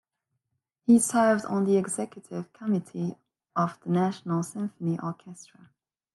He served on the Executive Committee of the National Symphony Orchestra.